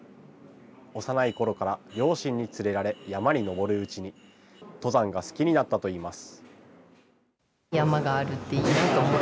幼いころから両親に連れられ、山に登るうちに、登山が好きになったといいます。